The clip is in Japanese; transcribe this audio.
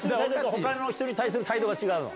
ほかの人に対する態度が違うの？